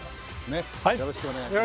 ねっよろしくお願いします。